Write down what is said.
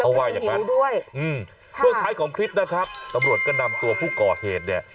เขาว่าอย่างนั้นด้วยช่วงท้ายของคลิปนะครับตำรวจก็นำตัวผู้ก่อเหตุเนี่ย